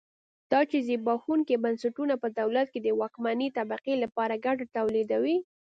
دا چې زبېښونکي بنسټونه په دولت کې د واکمنې طبقې لپاره ګټه تولیدوي.